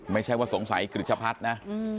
ไม่ใช่ว่าสงสัยกริจชะพัดนะ